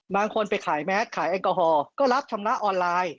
ไปขายแมสขายแอลกอฮอล์ก็รับชำระออนไลน์